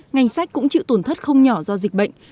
ngành sách cũng chịu tổn thất không nhỏ do dịch bệnh